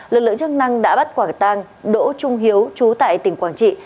lực lượng chức năng đã bắt quả tăng đỗ trung hiếu chú tại tỉnh quảng trị